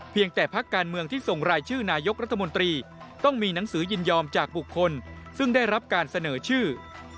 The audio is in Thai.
แต่พักการเมืองที่ส่งรายชื่อนายกรัฐมนตรีต้องมีหนังสือยินยอมจากบุคคลซึ่งได้รับการเสนอชื่อ